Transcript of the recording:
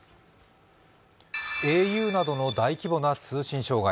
ａｕなどの大規模な通信障害。